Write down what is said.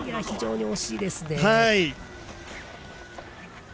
非常に惜しいですね。